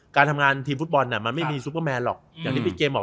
การทำงานทีมฟุตบอลน่ะมันไม่มีซุปเปอร์แมนหรอกอย่างที่พี่เกมบอก